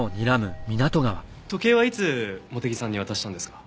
時計はいつ茂手木さんに渡したんですか？